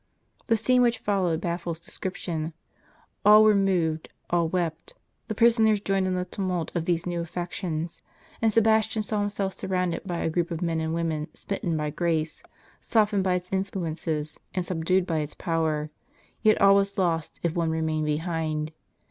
The scene which followed baffles description. All were moved; all wept; the prisoners joined in the tumult of these new affections; and Sebastian saw himself surrounded by a group of men and women smitten by grace, softened by its influences, and subdued by its i^ower ; yet all was lost if one remained behind.